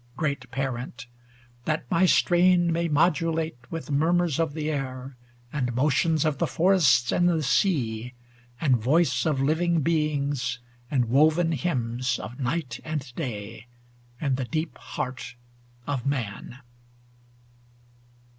Great Parent, that my strain May modulate with murmurs of the air. And motions of the forests and the sea. And voice of living beings, and woven hymns Of night and day, and the deep heart of man.